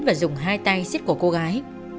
và dùng hai tay xích cổ cô gái